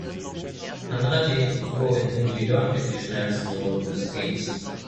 Andretti fuhr in Indy deutlich die schnellsten Runden des Teams.